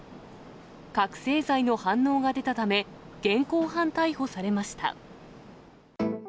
覚醒剤の反応が出たため、現行犯逮捕されました。